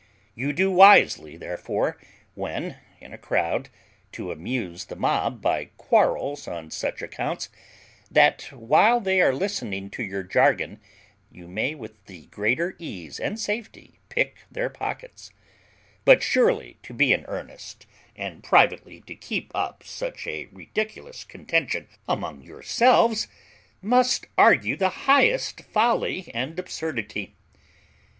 You do wisely, therefore, when in a crowd, to amuse the mob by quarrels on such accounts, that while they are listening to your jargon you may with the greater ease and safety pick their pockets: but surely to be in earnest, and privately to keep up such a ridiculous contention among yourselves, must argue the highest folly and absurdity.